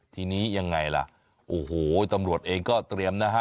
ทีนี้ยังไงล่ะโอ้โหตำรวจเองก็เตรียมนะฮะ